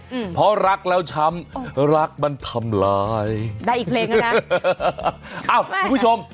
อืมเพราะรักแล้วช้ำรักมันทำลายได้อีกเพลงอ่ะนะอ้าวคุณผู้ชม